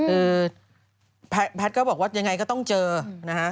คือแพทย์ก็บอกว่ายังไงก็ต้องเจอนะฮะ